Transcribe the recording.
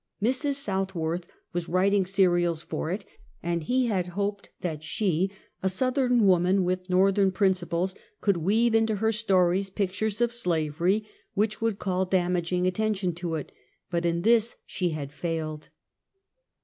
Mrs. Southworth was writing serials for it, and lie had hoped that she, a Southern woman with ISTortheri! principles, could weave into her stories pictures oi" slavery which would call damaging attention toit, bu: in this she had failed.